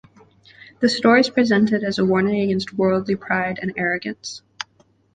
The story is presented as a warning against wordly pride and arrogance.